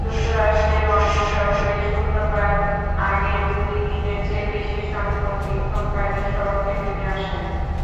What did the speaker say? যুক্তরাষ্ট্রের অনেক শহরেই শুক্রবার আগের দুই দিনের চেয়ে বেশিসংখ্যক বিক্ষোভকারী সড়কে নেমে আসেন।